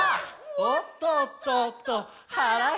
「おっとっとっとはらへった」